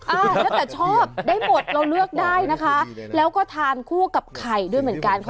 อ่าแล้วแต่ชอบได้หมดเราเลือกได้นะคะแล้วก็ทานคู่กับไข่ด้วยเหมือนกัน